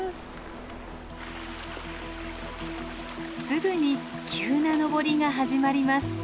すぐに急な登りが始まります。